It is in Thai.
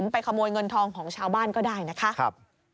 ไปขโมยเงินทองของชาวบ้านก็ได้นะคะ